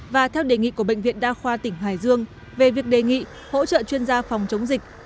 và theo đề nghị của bệnh viện đa khoa tỉnh hải dương về việc đề nghị hỗ trợ chuyên gia phòng chống dịch